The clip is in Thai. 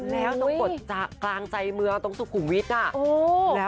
มันต้องกดกลางใจเมียตรงสุขุมวิทน์อ่ะ